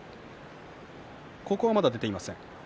ここはまだ出ていません。